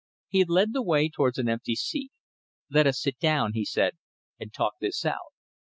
He led the way towards an empty seat. "Let us sit down," he said, "and talk this out."